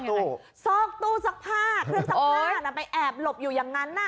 เครื่องสักผ้านำไปแอบหลบอยู่อย่างนั้น